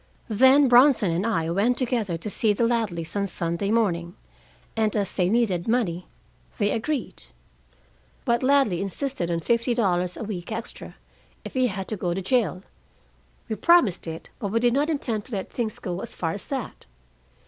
Then Bronson and I went together to see the Ladleys on Sunday morning, and as they needed money, they agreed. But Ladley insisted on fifty dollars a week extra if he had to go to jail. We promised it, but we did not intend to let things go so far as that.